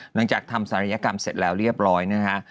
หลังจากทำศัลยกรรมเสร็จแล้วเรียบร้อยนะฮะ